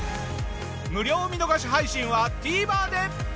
無料見逃し配信はＴＶｅｒで。